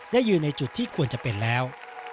ได้ยืนในจุดที่ควรจะเป็นแล้ว